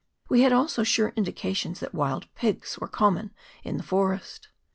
We had also sure indications that wild pigs were common in the forest.